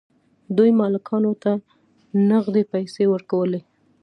دوی مالکانو ته نغدې پیسې ورکولې.